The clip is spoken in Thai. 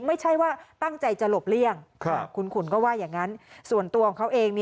ไม่ใช่ว่าตั้งใจจะหลบเลี่ยง